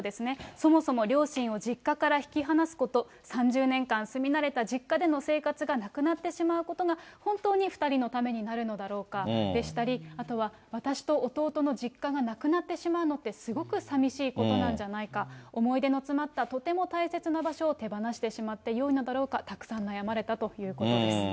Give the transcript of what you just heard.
そもそも両親を実家から引き離すこと、３０年間住み慣れた実家での生活がなくなってしまうことが、本当に２人のためになるのだろうかでしたり、あとは私と弟の実家がなくなってしまうのってすごく寂しいことなんじゃないか、思い出の詰まったとても大切な場所を手放してしまってよいのだろうかと、大変悩まれたということです。